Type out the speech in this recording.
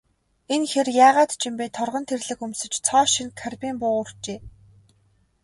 Энэ хэр яагаад ч юм бэ, торгон тэрлэг өмсөж, цоо шинэ карбин буу үүрчээ.